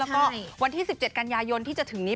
แล้วก็วันที่๑๗กันยายนที่จะถึงนี้